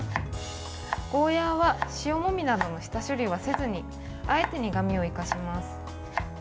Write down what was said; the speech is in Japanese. ゴーヤーは塩もみなどの下処理はせずにあえて苦みを生かします。